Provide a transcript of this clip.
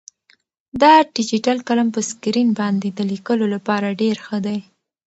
دا ډیجیټل قلم په سکرین باندې د لیکلو لپاره ډېر ښه دی.